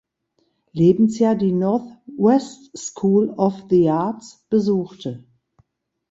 Lebensjahr die "Northwest School of the Arts" besuchte.